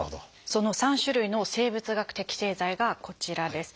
その３種類の生物学的製剤がこちらです。